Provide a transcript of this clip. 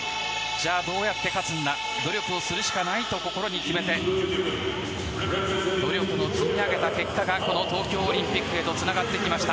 じゃあどうやって勝つんだ努力するしかないと心に決めて努力を積み上げた結果がこの東京オリンピックへとつながってきました。